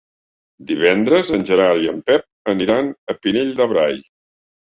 Divendres en Gerard i en Pep aniran al Pinell de Brai.